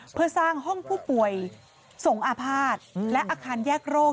เพื่อสร้างห้องผู้ป่วยสงอาภาษณ์และอาคารแยกโรค